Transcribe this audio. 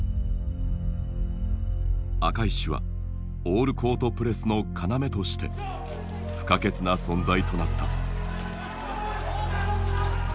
赤石はオールコートプレスの要として不可欠な存在となった。